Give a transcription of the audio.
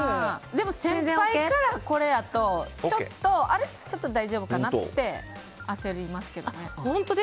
でも、先輩からこれやとちょっと大丈夫かなって焦りますけどね。